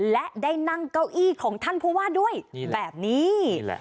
และได้นั่งเก้าอี้ของท่านผู้ว่าด้วยแบบนี้